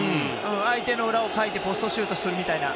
相手の裏をかいてポストシュートするみたいな。